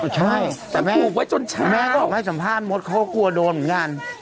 ใช่แต่ผูกไว้จนเช้าแม่ก็ออกมาให้สัมภาษณ์มดเขาก็กลัวโดนเหมือนกัน